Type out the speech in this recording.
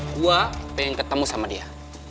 gue pengen ketemu sama dia